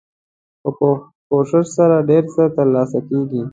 په کوښښ سره ډیر څه تر لاسه کیږي.